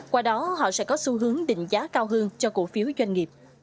qua đó họ sẽ có xu hướng định giá cao hơn cho cổ phiếu doanh nghiệp